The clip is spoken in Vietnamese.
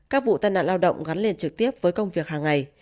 các vụ tai nạn lao động gắn liền trực tiếp với công việc hàng ngày